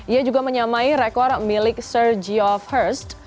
ia juga menyamai rekor milik sergio first